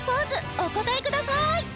お答えください！